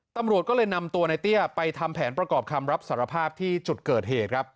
ตำรวจก็เลยนำตัวในเตี้ยไปทำแผนประกอบคำรับสารภาพที่จุดเกิดเหตุครับ